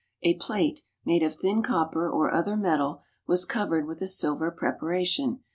A plate, made of thin copper or other metal, was covered with a silver preparation.